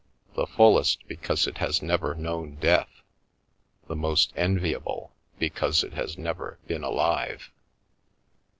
The fullest, because it has never known death, the most enviable, because it has never been alive."